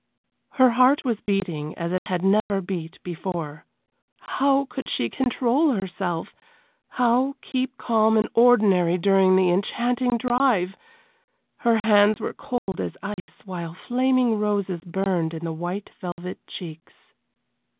Her heart was beating as it had never beat before. How could she control herself! How keep calm and ordinary during the enchanting drive! Her hands were cold as ice, while flaming roses burned in the white velvet cheeks.